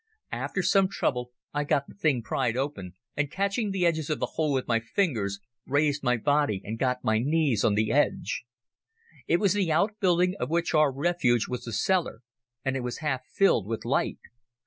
After some trouble I got the thing prised open, and catching the edges of the hole with my fingers raised my body and got my knees on the edge. It was the outbuilding of which our refuge was the cellar, and it was half filled with light.